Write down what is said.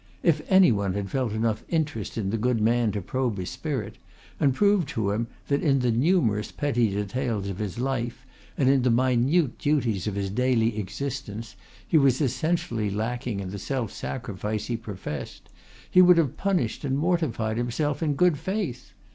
If any one had felt enough interest in the good man to probe his spirit and prove to him that in the numerous petty details of his life and in the minute duties of his daily existence he was essentially lacking in the self sacrifice he professed, he would have punished and mortified himself in good faith.